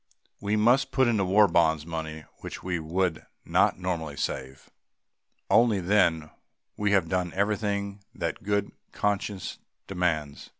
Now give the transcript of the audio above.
We must put into War Bonds money which we would not normally save. Only then have we done everything that good conscience demands.